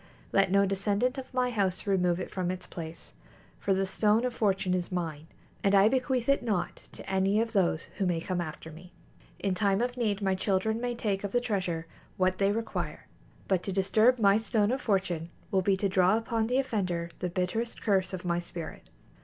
Let no descendant of my house remove it from its place, for the Stone of Fortune is mine, and I bequeath it not to any of those who may come after me. In time of need my children may take of the treasure what they require, but to disturb my Stone of Fortune will be to draw upon the offender the bitterest curse of my spirit.